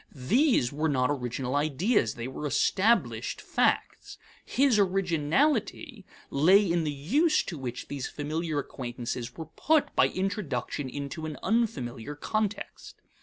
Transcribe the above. These were not original ideas; they were established facts. His originality lay in the use to which these familiar acquaintances were put by introduction into an unfamiliar context.